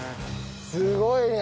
すごいね！